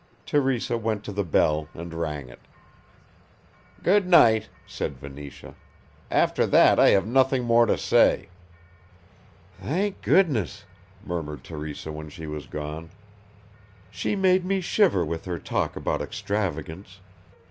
Teresa went to the bell and rang it. "Good night," said Venetia, "after that I have nothing more to say." "Thank goodness," murmured Teresa when she was gone. "She made me shiver with her talk about extravagance.